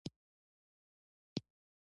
د پل علم ښار د لوګر مرکز دی